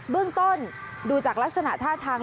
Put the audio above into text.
เบื้องต้นดูจากลักษณะท่าทาง